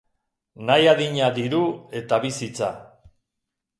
Nahi adina diru eta bizitza.